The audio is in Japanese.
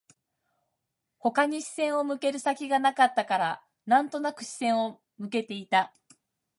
他に視線を向ける先がなかったから、なんとなく視線を向けていた